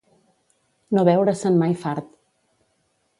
No veure-se'n mai fart.